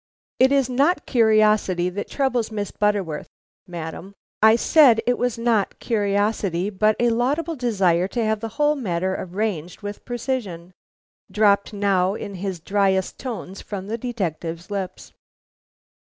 "It is not curiosity that troubles Miss Butterworth Madam, I said it was not curiosity but a laudable desire to have the whole matter arranged with precision," dropped now in his dryest tones from the detective's lips.